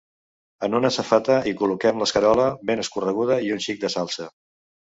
En una safata, hi col·loquem l’escarola ben escorreguda i un xic de salsa.